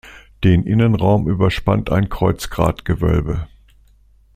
Den Innenraum überspannt ein Kreuzgratgewölbe.